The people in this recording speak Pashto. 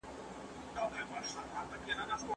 د منځنۍ پېړۍ خلګو څنګه ژوند کاوه؟